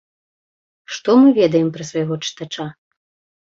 Што мы ведаем пра свайго чытача?